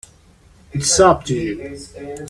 It's up to you.